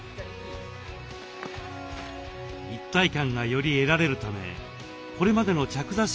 一体感がより得られるためこれまでの着座式